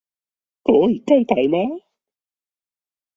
可以蓋台嗎